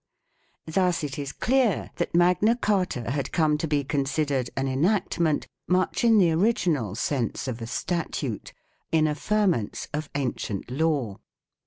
2 Thus it is clear that Magna Carta had come to be considered an enactment much in the original sense of a statute : in affirmance of ancient law.